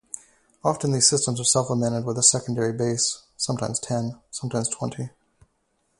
Often these systems are supplemented with a secondary base, sometimes ten, sometimes twenty.